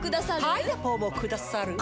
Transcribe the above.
パイナポーもくださるぅ？